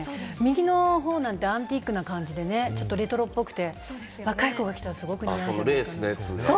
右のなんてアンティークな感じで、レトロっぽくて若い子が来たらすごく似合う。